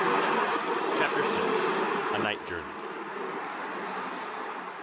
CHAPTER VI. A NIGHT JOURNEY.